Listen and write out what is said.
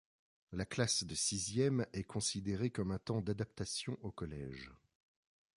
La classe de sixième est considérée comme un temps d’adaptation au collège.